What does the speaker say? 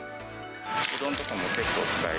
うどんとかも結構使える。